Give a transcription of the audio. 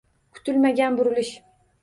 Kutilmagan burilish